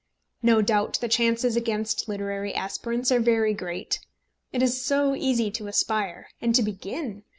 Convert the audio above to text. No doubt the chances against literary aspirants are very great. It is so easy to aspire, and to begin!